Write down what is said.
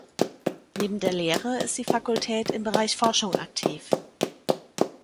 Neben der Lehre ist die Fakultät im Bereich Forschung aktiv.